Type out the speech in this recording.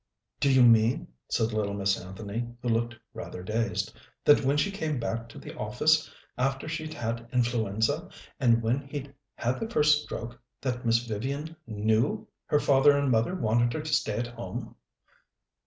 "Do you mean," said little Miss Anthony, who looked rather dazed, "that when she came back to the office after she'd had influenza, and when he'd had the first stroke, that Miss Vivian knew her father and mother wanted her to stay at home?"